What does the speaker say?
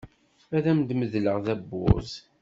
Ad am-medleɣ tawwurt.